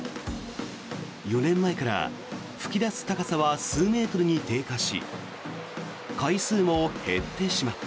４年前から噴き出す高さは数メートルに低下し回数も減ってしまった。